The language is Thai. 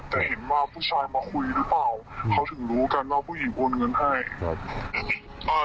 แต่เห็นว่าผู้ชายมาคุยหรือเปล่าเขาถึงรู้กันว่าผู้หญิงโอนเงินให้ครับอ่า